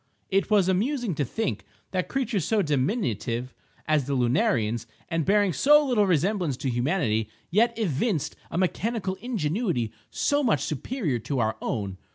It was amusing to think that creatures so diminutive as the lunarians, and bearing so little resemblance to humanity, yet evinced a mechanical ingenuity so much superior to our own.